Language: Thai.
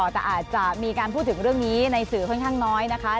แต่อาจจะมีการพูดถึงเรื่องนี้ในสื่อค่อนข้างน้อยนะคะ